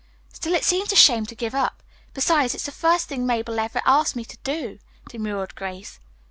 "Still, it seems a shame to give up; besides, it is the first thing Mabel ever asked me to do," demurred Grace.